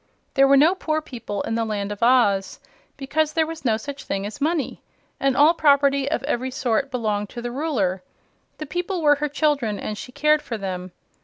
There were no poor people in the Land of Oz, because there was no such thing as money, and all property of every sort belonged to the Ruler. The people were her children, and she cared for them.